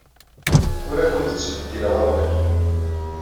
Ur awent-ttbeddileɣ awal.